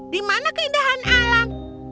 di mana keindahan alam